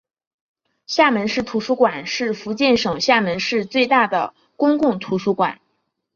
厦门市图书馆是福建省厦门市最大的公共图书馆。